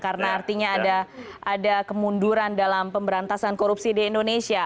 karena artinya ada kemunduran dalam pemberantasan korupsi di indonesia